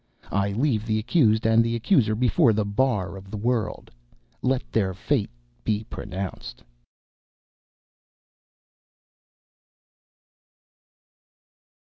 I leave the accused and the accuser before the bar of the world let their fate be pronounced.